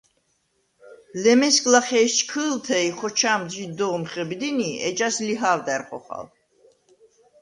ლემესგ ლახე ეშ ჩქჷ̄ლთე ი ხოჩა̄მდ ჟი დო̄მ ხებდინი, ეჯას ლიჰა̄ვდა̈რ ხოხალ.